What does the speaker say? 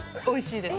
おいしい。